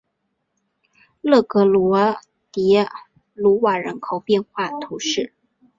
勒格罗迪鲁瓦人口变化图示